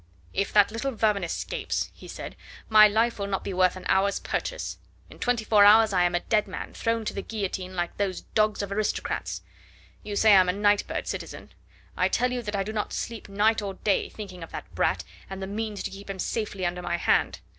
"If that little vermin escapes," he said, "my life will not be worth an hour's purchase. In twenty four hours I am a dead man, thrown to the guillotine like those dogs of aristocrats! You say I am a night bird, citizen. I tell you that I do not sleep night or day thinking of that brat and the means to keep him safely under my hand.